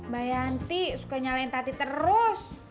bayanti suka nyalain tati terus